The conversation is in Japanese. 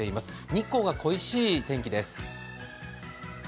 日光が恋しい天気です。